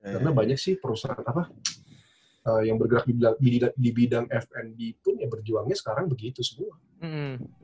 karena banyak sih perusahaan apa yang bergerak di bidang f b pun ya berjuangnya sekarang begitu semua